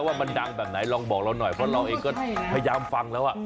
ว่ามันดังแบบไหนลองบอกเราหน่อยเพราะเราเองก็พยายามฟังแล้ว